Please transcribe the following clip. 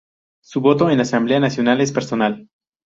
Su voto en la Asamblea Nacional es personal".